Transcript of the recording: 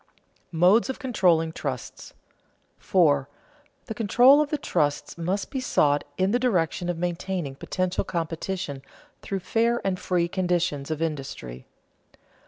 [Sidenote: Modes of controlling trusts] 4. _The control of the trusts must be sought in the direction of maintaining potential competition through fair and free conditions of industry.